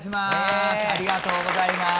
ありがとうございます。